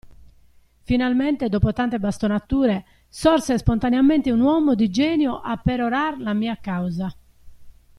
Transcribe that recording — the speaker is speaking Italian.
Finalmente dopo tante bastonature, sorse spontaneamente un uomo di genio a perorar la mia causa.